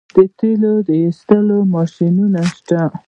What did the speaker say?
د تیلو ایستلو ماشینونه شته